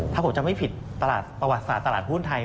ถ้าผมจะไม่ผิดตลาดประวัติศาสตร์ตลาดหุ้นไทย